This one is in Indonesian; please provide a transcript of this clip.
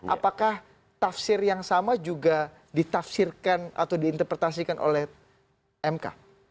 apakah tafsir yang sama juga ditafsirkan atau diinterpretasikan oleh mk